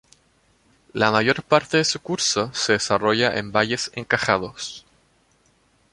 La mayor parte de su curso se desarrolla en valles encajados.